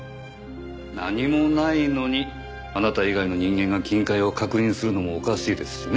何もないのにあなた以外の人間が金塊を確認するのもおかしいですしね。